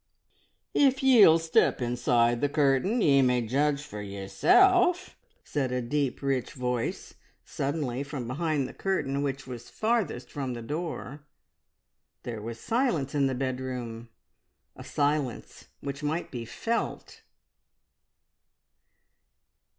"If ye'll step inside the curtain, ye may judge for yerself," said a deep rich voice suddenly from behind the curtain which was farthest from the door. There was silence in the bedroom a silence which might be felt!